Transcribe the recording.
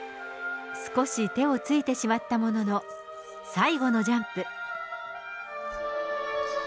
少し手をついてしまったものの、最後のジャンプ。